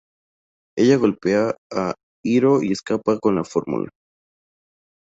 Ella golpea a Hiro y escapa con la fórmula.